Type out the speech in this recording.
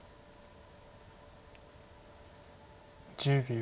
１０秒。